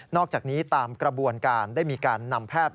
อกจากนี้ตามกระบวนการได้มีการนำแพทย์